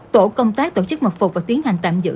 tổ công tác tổ chức mật phục và tiến hành tạm giữ